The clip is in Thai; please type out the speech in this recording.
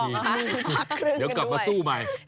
เดี๋ยวกลับมาสู้ใหม่